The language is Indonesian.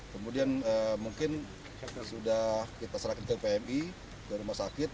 kemudian mungkin sudah kita serahkan ke pmi ke rumah sakit